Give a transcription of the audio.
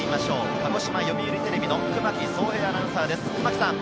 鹿児島読売テレビの熊木創平アナウンサーです。